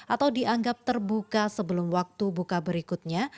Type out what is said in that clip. atau dianggap terbuka sebelum waktu buka berikutnya